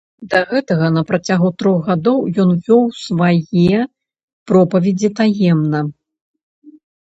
Да гэтага, на працягу трох гадоў, ён вёў свае пропаведзі таемна.